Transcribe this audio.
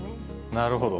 なるほど。